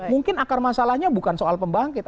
mungkin akar masalahnya bukan soal pembangkit